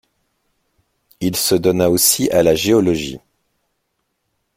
Il se donna aussi à la géologie.